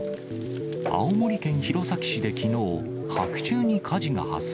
青森県弘前市できのう、白昼に火事が発生。